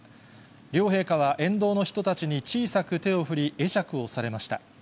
両陛下は沿道の人たちに小さく手を振り、会釈をされました。